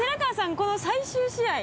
この最終試合。